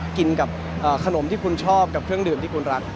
กินกับขนมที่คุณชอบกับเครื่องดื่มที่คุณรัก